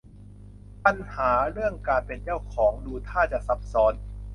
ปัญหาเรื่องการเป็นเจ้าของดูท่าจะซับซ้อน